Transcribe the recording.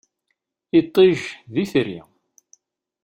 Iṭij, d itri.